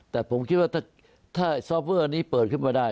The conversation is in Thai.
แต่ผมคิดว่าถ้าซอฟเวอร์นี้เปิดขึ้นมาได้